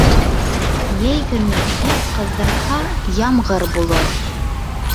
Йәй көнө бик ҡыҙҙырһа, ямғыр булыр.